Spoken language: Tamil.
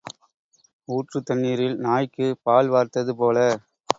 ஊற்றுத் தண்ணீரில் நாய்க்குப் பால் வார்த்தது போல.